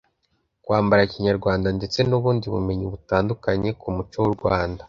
kwambara Kinyarwanda ndetse n’ubundi bumenyi butandukanye ku muco w’u Rwanda